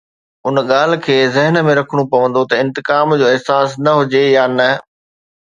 ان ڳالهه کي ذهن ۾ رکڻو پوندو ته انتقام جو احساس نه هجي يا نه